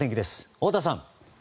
太田さん。